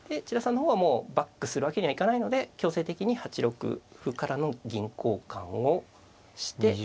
千田さんの方はもうバックするわけにはいかないので強制的に８六歩からの銀交換をして。